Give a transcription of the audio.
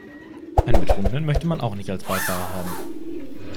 Einen Betrunkenen möchte man auch nicht als Beifahrer haben.